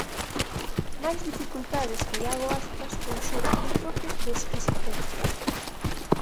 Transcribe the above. Máis dificultades que Iago Aspas conxura cun toque de exquisitez.